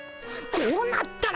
こうなったら。